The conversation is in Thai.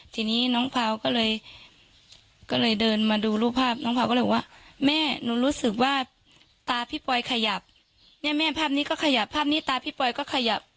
ทีนี้น้องเผาก็เลยก็เลยเดินมาดูรูปภาพน้องเผาก็เลยบอกว่าแม่หนูรู้สึกว่าตาพี่ปอยขยับเนี่ยแม่ภาพนี้ก็ขยับภาพนี้ตาพี่ปอยก็ขยับ